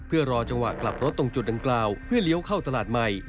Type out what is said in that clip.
เพื่อรอจังหวะกลับรถตรงจุดดังกล่าวเพื่อเลี้ยวเข้าตลาดใหม่